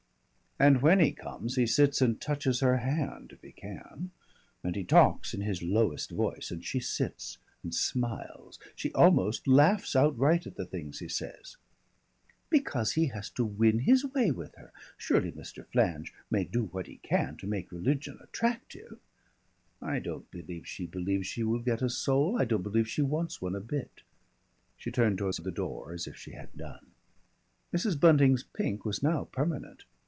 "And when he comes he sits and touches her hand if he can, and he talks in his lowest voice, and she sits and smiles she almost laughs outright at the things he says." "Because he has to win his way with her. Surely Mr. Flange may do what he can to make religion attractive?" "I don't believe she believes she will get a soul. I don't believe she wants one a bit." She turned towards the door as if she had done. Mrs. Bunting's pink was now permanent.